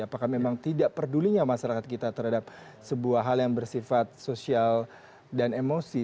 apakah memang tidak pedulinya masyarakat kita terhadap sebuah hal yang bersifat sosial dan emosi